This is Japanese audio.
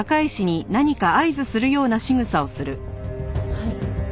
はい。